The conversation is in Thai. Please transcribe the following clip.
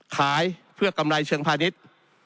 ขายเพื่อกำไรเชิงพาณิชย์